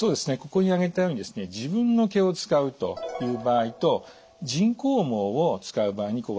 ここに挙げたようにですね自分の毛を使うという場合と人工毛を使う場合に分けられるんですね。